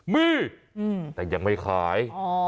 มีแต่ยังไม่ขาย